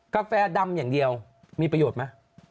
กาแฟดำอย่างเดียวมีประโยชน์ไหม